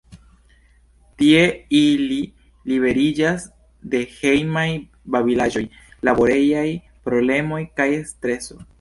Tie ili liberiĝas de hejmaj babilaĵoj, laborejaj problemoj kaj streso.